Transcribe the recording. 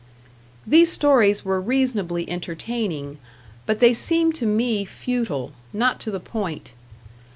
These stories were reasonably entertaining, but they seemed to me futile, not to the point.